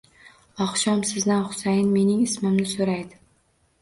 Oqshom sizdan Husayin mening ismimni so'raydi.